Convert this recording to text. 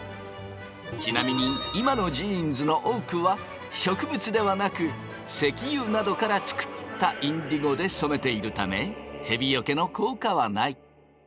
ちなみに今のジーンズの多くは植物ではなく石油などから作ったインディゴで染めているためへびよけの効果はない。